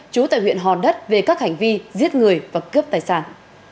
chú tại huyện hòn đất về các hành vi giết người và cướp tài sản